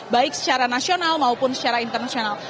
baik secara nasional maupun secara internasional